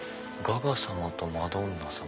「ガガ様とマドンナ様